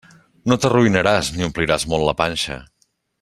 No t'arruïnaràs ni ompliràs molt la panxa.